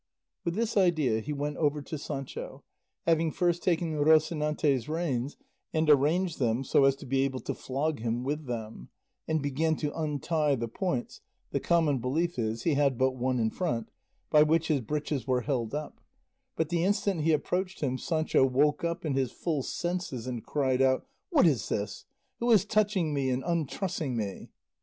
With this idea he went over to Sancho, having first taken Rocinante's reins and arranged them so as to be able to flog him with them, and began to untie the points (the common belief is he had but one in front) by which his breeches were held up; but the instant he approached him Sancho woke up in his full senses and cried out, "What is this? Who is touching me and untrussing me?"